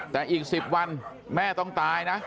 แต่อีก๑๐วันแม่ต้องตายนะ